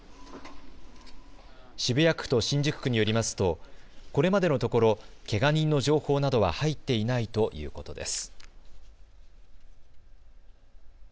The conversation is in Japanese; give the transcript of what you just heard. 渋谷区と新宿区によりますとこれまでのところ、けが人の情報などは入っていないということです。